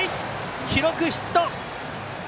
記録ヒット！